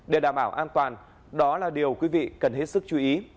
để đảm bảo an toàn đó là điều quý vị cần hết sức chú ý